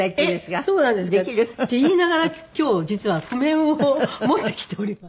えっそうなんですか？って言いながら今日実は譜面を持ってきております。